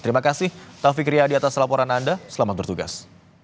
terima kasih taufik riyadi atas laporan anda selamat bertugas